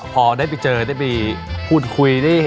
พอได้ไปเจอได้ไปพูดคุยได้